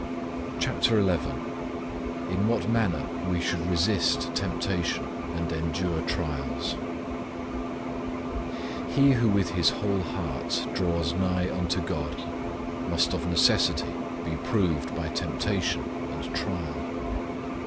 CHAPTER XI IN WHAT MANNER WE SHOULD RESIST TEMPTATION AND ENDURE TRIALS HE who with his whole heart draws nigh unto God must of necessity be proved by tempta tion and trial.